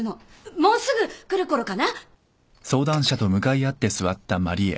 もうすぐ来るころかな。